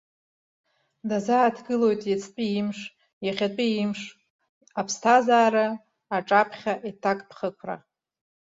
Дазааҭгылоит иацтәи имш, иахьатәи имш, аԥсҭазаара аҿаԥхьа иҭакԥхықәра.